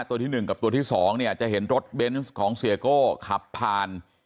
ตัวที่หนึ่งกับตัวที่สองเนี่ยจะเห็นรถเบนส์ของเซียโก้ขับผ่าน